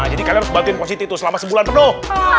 jadi kalian harus membantu positi itu selama sebulan benuh